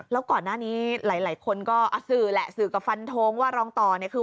แล้วก่อนหน้านี้หลายหลายคนก็อะสือแหละสือกับฟันโท้งว่ารองต่อเนี้ย